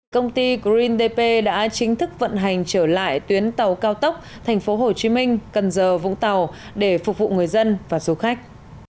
công ty greendp đã chính thức vận hành trở lại tuyến tàu cao tốc thành phố hồ chí minh cần giờ vũng tàu để phục vụ người dân và du khách